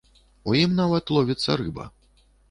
У ім нават ловіцца рыба.